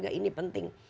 keluarga ini penting